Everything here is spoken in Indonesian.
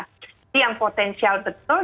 jadi yang potensial betul